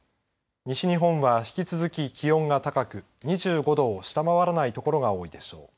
西日本は引き続き気温が高く２５度を下回らない所が多いでしょう。